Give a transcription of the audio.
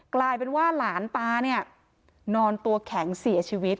กลายเป็นว่าหลานตาเนี่ยนอนตัวแข็งเสียชีวิต